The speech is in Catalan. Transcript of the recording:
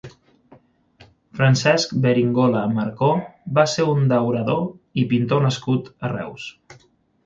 Francesc Beringola Marcó va ser un daurador i pintor nascut a Reus.